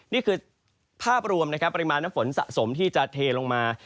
นี่คือภาพรวมนะครับปริมาณน้ำฝนสะสมที่จะเทลงมา